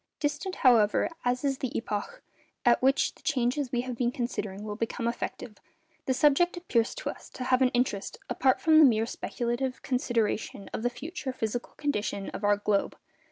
Distant, however, as is the epoch at which the changes we have been considering will become effective, the subject appears to us to have an interest apart from the mere speculative consideration of the future physical condition of our globe.